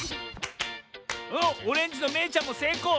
おっオレンジのめいちゃんもせいこう！